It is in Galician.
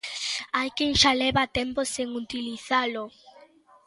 Hai quen xa leva tempo sen utilizalo.